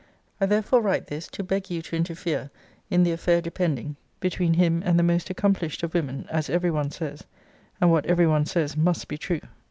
I therefore write this, to beg you to interfere in the affair depending between him and the most accomplished of women, as every one says; and what every one says must be true.